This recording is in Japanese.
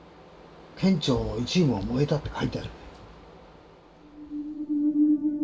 県庁の一部が燃えたって書いてあるね。